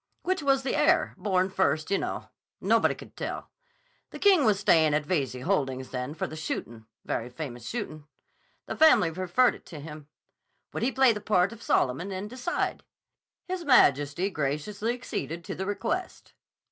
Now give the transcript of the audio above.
Which was the heir—born first, you know? Nobody could tell. The King was stayin' at Veyze Holdings then for the shootin'; very famous shootin'. The family referred it to him. Would he play the part of Solomon and decide? His Majesty graciously acceded to the request.